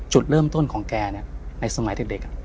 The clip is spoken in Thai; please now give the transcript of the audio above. จุดเริ่มต้นของแกในสมัยเด็ก